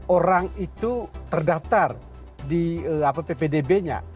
orang itu terdaftar di ppdb nya